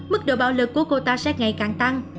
mức độ bạo lực của cô ta sẽ ngày càng tăng